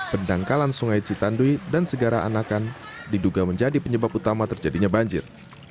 pendangkalan sungai citanduy dan segara anakan diduga menjadi penyebab utama terjadinya banjir